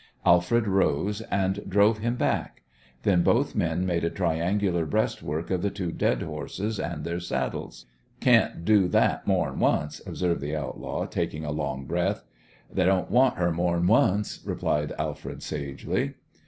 Alfred arose and drove him back. Then both men made a triangular breastwork of the two dead horses and their saddles. "Cyan't do that more'n once," observed the outlaw, taking a long breath. "They don't want her more'n once," replied Alfred, sagely.